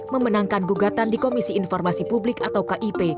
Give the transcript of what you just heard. memenangkan gugatan di komisi informasi publik atau kip